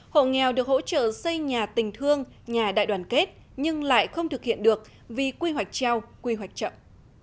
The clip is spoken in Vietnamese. hộ nghèo được hỗ trợ xây nhà tình thương nhà đại đoàn kết nhưng lại không thực hiện được vì quy hoạch treo quy hoạch chậm